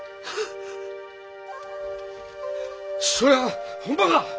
それはほんまか！？